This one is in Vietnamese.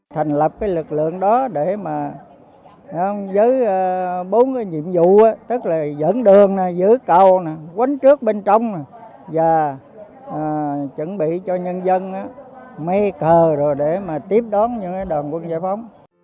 thành lập lực lượng đó để giữ bốn nhiệm vụ tức là dẫn đường giữ cầu quánh trước bên trong và chuẩn bị cho nhân dân mấy cờ để tiếp đón những đoàn quân giải phóng